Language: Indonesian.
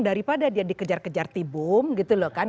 daripada dia dikejar kejar tibum gitu loh kan